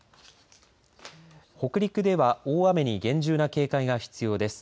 北陸では大雨に厳重な警戒が必要です。